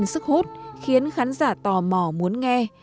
sức hút khiến khán giả tò mò muốn nghe